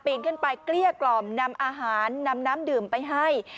ขึ้นไปเกลี้ยกล่อมนำอาหารนำน้ำดื่มไปให้